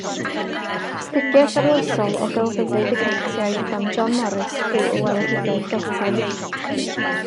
Astudiaeth arloesol o gelfyddyd y Celtiaid gan John Morris yw Y Weledigaeth Geltaidd